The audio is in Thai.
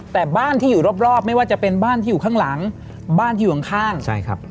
แต่บ้านที่อยู่รอบรอบไม่ว่าจะเป็นบ้านที่อยู่ข้างหลังบ้านที่อยู่ข้างใช่ครับ